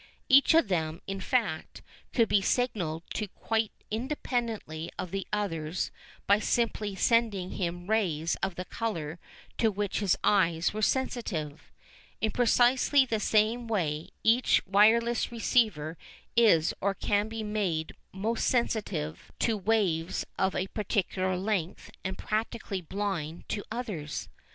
Each of them, in fact, could be signalled to quite independently of the others by simply sending him rays of the colour to which his eyes were sensitive. In precisely the same way each wireless receiver is or can be made most sensitive to waves of a particular length and practically blind to all others.